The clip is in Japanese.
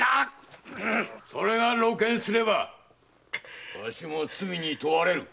それが露見すればわしも罪に問われる。